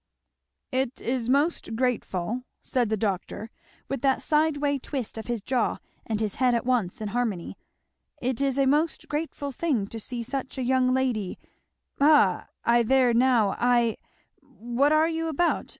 "It is most grateful," said the doctor with that sideway twist of his jaw and his head at once, in harmony, "it is a most grateful thing to see such a young lady Haw I there now I what are you about?